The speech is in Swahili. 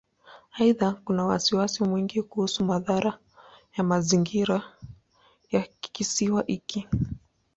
Aidha, kuna wasiwasi mwingi kuhusu madhara ya mazingira ya Kisiwa hiki.